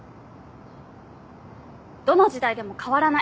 どの時代でも変わらない。